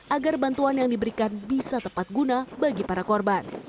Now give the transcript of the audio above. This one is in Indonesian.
agar bantuan yang diberikan bisa tepat guna bagi para korban